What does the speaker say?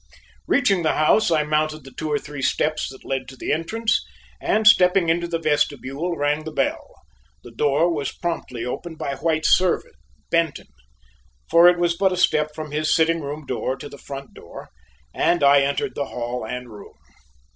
Reaching the house, I mounted the two or three steps that led to the entrance, and stepping into the vestibule, rang the bell. The door was promptly opened by White's servant, Benton, for it was but a step from his sitting room door to the front door, and I entered the hall and room.